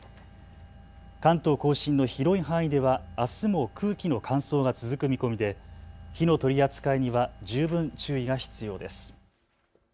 関東甲信の広い範囲ではあすも空気の乾燥が続く見込みで火の取り扱いには十分注意が必要です。